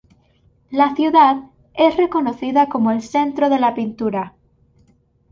La ciudad es reconocida como el centro de la pintura.